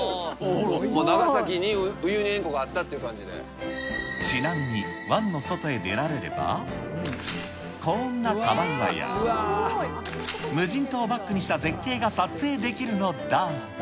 長崎にウユニ塩湖があったっちなみに、湾の外へ出られれば、こんなカバ岩や、無人島をバックにした絶景が撮影できるのだ。